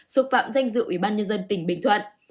xúc phạm danh dự ủy ban nhân dân tỉnh bình thuận